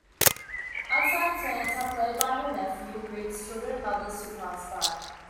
Outside Santa, played by her nephew, greets children and others who pass by.